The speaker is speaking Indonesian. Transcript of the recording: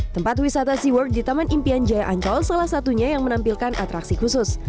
tempat wisata seaworld di taman impian jaya ancol salah satunya yang menampilkan atraksi khusus